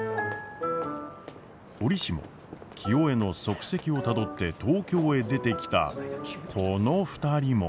折しも清恵の足跡をたどって東京へ出てきたこの２人も。